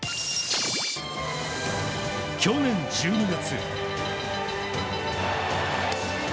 去年１２月。